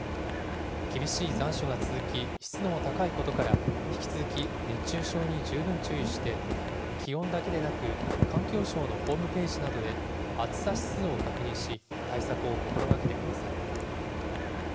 厳しい残暑が続き、湿度も高いことから、引き続き、熱中症に十分注意して、気温だけでなく環境省のホームページなどで暑さ指数を確認し、対策を心がけてください。